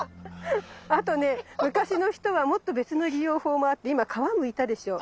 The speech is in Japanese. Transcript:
あとね昔の人はもっと別の利用法もあって今皮むいたでしょう？